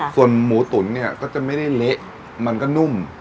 ส่วนหมูตุ๋นเนี่ยก็จะไม่ได้เละมันก็นุ่ม